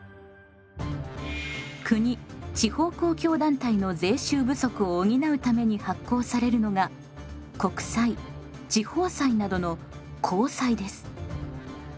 国地方公共団体の税収不足を補うために発行されるのが国債地方債などの公債です。